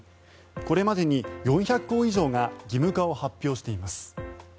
これまでに４００校以上が義務化を発表しています。